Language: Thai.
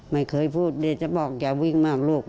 ไม่เคยพูดจะบอกอย่าวิ่งมากลูก